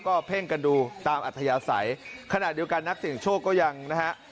ก็เพ่งกันดูตามอัธยาศัยขณะเดียวกันนักเสี่ยงโชคก็ยังนะฮะ